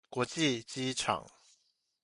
國際機場